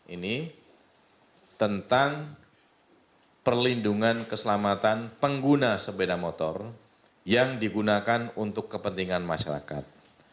ini tentang perlindungan keselamatan pengguna sepeda motor yang digunakan untuk kepentingan masyarakat